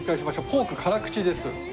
ポーク辛口です。